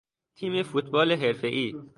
تیم فوتبال حرفهای